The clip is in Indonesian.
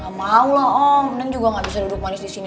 gak mau lah om neng juga gak bisa duduk manis disini